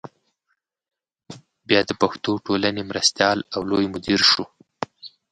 بیا د پښتو ټولنې مرستیال او لوی مدیر شو.